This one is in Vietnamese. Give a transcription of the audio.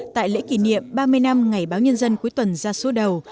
tại lễ kỷ niệm ba mươi năm ngày báo nhân dân cuối tuần ra số đầu